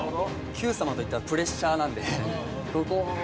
『Ｑさま！！』といったらプレッシャーなんで。